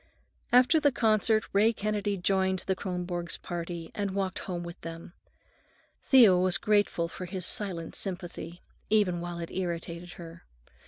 After the concert Ray Kennedy joined the Kronborgs' party and walked home with them. Thea was grateful for his silent sympathy, even while it irritated her.